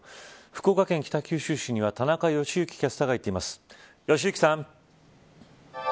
福岡県北九州市には田中良幸キャスターが行っています。